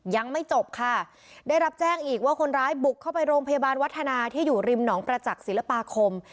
ยังไม่จบค่ะได้รับแจ้งอีกว่าคนร้ายบุกเข้าไปโรงพยาบาลวัฒนาที่อยู่ริมหนองประจักษ์ศิลปาคม